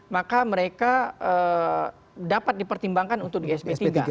maka mereka dapat dipertimbangkan untuk di sp tiga